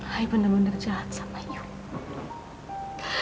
ayah bener bener jahat sama ayah